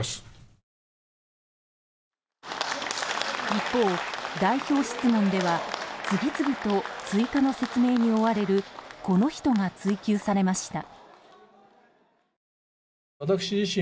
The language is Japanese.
一方、代表質問では次々と追加の説明に追われるこの人が追及されました。